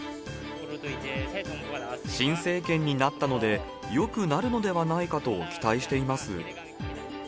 新政権になったので、よくなるのではないかと期待しています。